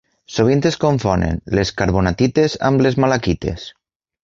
Sovint es confonen les carbonatites amb les malaquites.